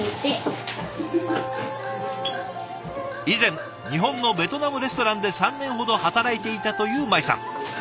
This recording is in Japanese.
以前日本のベトナムレストランで３年ほど働いていたという舞さん。